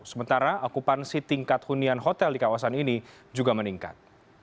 sementara okupansi tingkat hunian hotel di kawasan ini juga meningkat